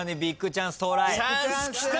チャンスきた！